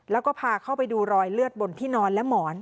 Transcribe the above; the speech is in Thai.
แล้วก็พาเข้าไปดูรอยเลือดบนที่นอนและหมอน